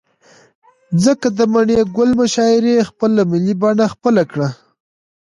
ځكه د مڼې گل مشاعرې خپله ملي بڼه خپله كړه.